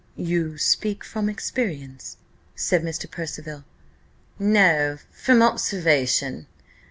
"You speak from experience?" said Mr. Percival. "No, from observation.